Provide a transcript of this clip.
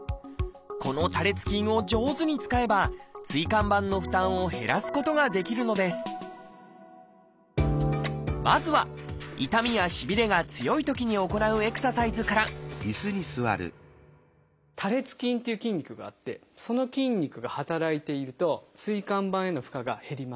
この多裂筋を上手に使えば椎間板の負担を減らすことができるのですまずは痛みやしびれが強いときに行うエクササイズから多裂筋っていう筋肉があってその筋肉が働いていると椎間板への負荷が減ります。